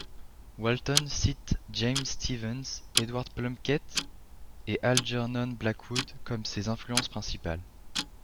Walton cite James Stephens, Edward Plunkett et Algernon Blackwood comme ses influences principales.